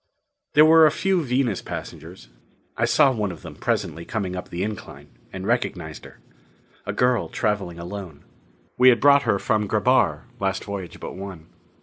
There were a few Venus passengers. I saw one of them presently coming up the incline, and recognized her. A girl traveling alone. We had brought her from Grebhar, last voyage but one.